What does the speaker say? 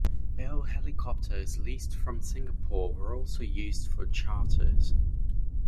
Bell Helicopters leased from Singapore were also used for charters.